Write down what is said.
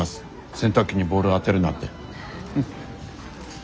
洗濯機にボール当てるなって。